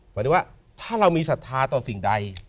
หมายถึงว่าถ้าเรามีศรัทธาต่อสิ่งใด